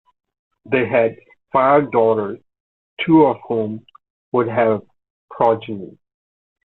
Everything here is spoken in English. They had five daughters, two of whom would have progeny.